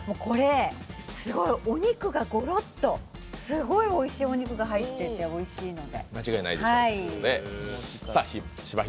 これ、すごいお肉がゴロッとすごいおいしいお肉が入ってておいしいので。